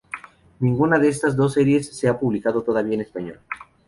Ninguna de estas dos series se ha publicado todavía en español.